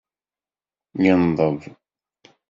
Yenḍeb.